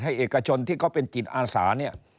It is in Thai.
ให้เอกชนที่เขาเป็นจิตอาสา